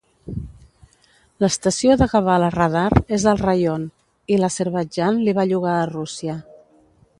L'Estació de Gabala Radar és al raion, i l'Azerbaidjan li va llogar a Rússia.